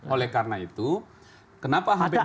oleh karena itu kenapa hampir